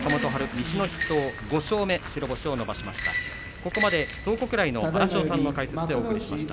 西の筆頭、５勝目白星を伸ばしました。